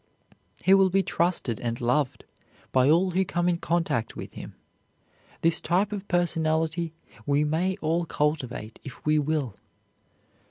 He will be trusted and loved by all who come in contact with him. This type of personality we may all cultivate if we will.